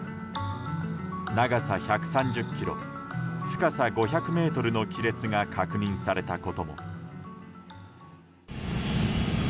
長さ１３０ｋｍ、深さ５００ｍの亀裂が確認されたことも。